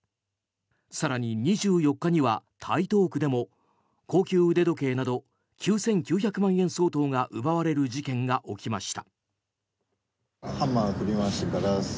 更に２４日には台東区でも高級腕時計など９９００万円相当が奪われる事件が起きました。